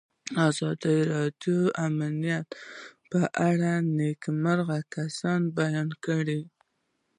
ازادي راډیو د امنیت په اړه د نېکمرغۍ کیسې بیان کړې.